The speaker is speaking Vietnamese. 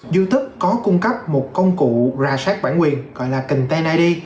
youtube có cung cấp một công cụ ra sát bản quyền gọi là content id